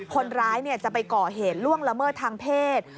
คนร้ายจะไปก่อเหตุล่วงละเมิดทางเพศ